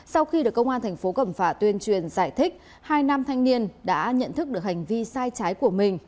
sau khi được công an thành phố cẩm phả tuyên truyền giải thích hai nam thanh niên đã nhận thức được hành vi sai trái của mình